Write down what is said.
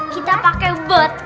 kita pakai botol